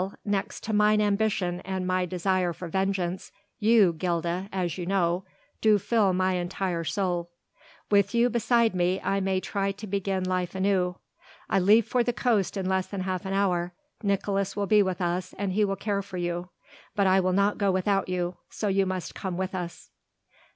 next to mine ambition and my desire for vengeance, you, Gilda, as you know, do fill my entire soul. With you beside me I may try to begin life anew. I leave for the coast in less than half an hour; Nicolaes will be with us and he will care for you. But I will not go without you, so you must come with us."